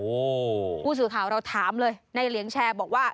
โอ้โหผู้สื่อข่าวเราถามเลยในเหลียงแชร์บอกว่า